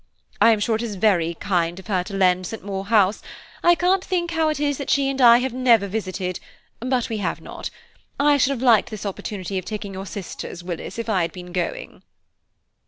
I am sure it is very kind of her to lend St. Maur House; I can't think how it is that she and I have never visited, but we have not. I should have liked this opportunity of taking your sisters, Willis, if I had been going."